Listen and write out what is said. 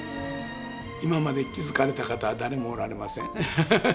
今まで気付かれた方は誰もおられません。